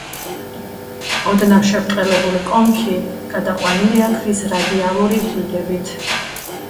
ოდნავ შებრტყელებული კონქი გადაყვანილია ქვის რადიალური რიგებით.